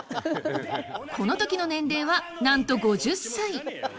このときの年齢は、なんと５０歳。